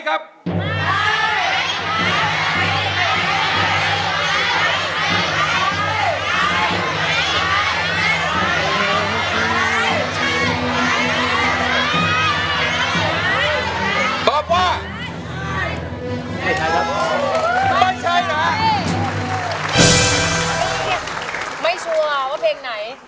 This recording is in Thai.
ไม่ชัวร์ว่าเพลงไหน